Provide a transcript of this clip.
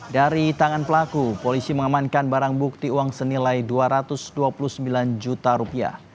dari tangan pelaku polisi mengamankan barang bukti uang senilai dua ratus dua puluh sembilan juta rupiah